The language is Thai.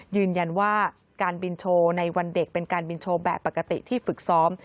ยืนยันว่าการบินโชว์ในวันเด็กเป็นการบินโชว์แบบปกติที่ฝึกซ้อม